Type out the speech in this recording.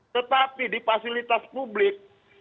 tetapi di fasilitas publik